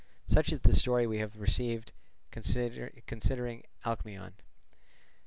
Such is the story we have received concerning Alcmaeon.